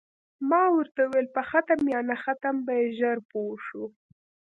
ما ورته وویل: په ختم یا نه ختم به یې ژر پوه شو.